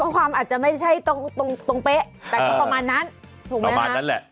ความอาจจะไม่ใช่ตรงเปะแต่ก็ประมาณนั้น